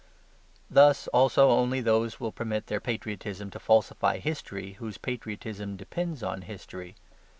Thus also only those will permit their patriotism to falsify history whose patriotism depends on history.